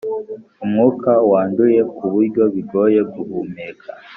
umwuka wanduye kuburyo bigoye guhumeka